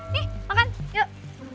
nih makan yuk